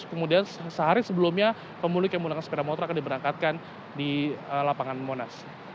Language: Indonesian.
kemudian sehari sebelumnya pemulik yang menggunakan sepeda motor akan diberangkatkan di lapangan monas